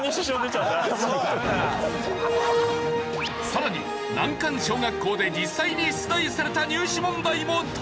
さらに難関小学校で実際に出題された入試問題も登場。